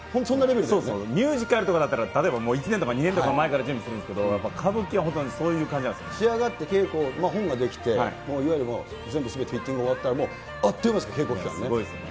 ミュージカルとかだったら、例えば、もう１年とか２年とか前から準備するんですけど、歌舞伎仕上がって稽古、本が出来て、いわゆる全部すべてフィッティング終わったら、もうあっという間ですからね、稽古期間ね。